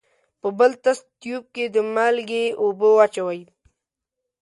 په بل تست تیوب کې د مالګې اوبه واچوئ.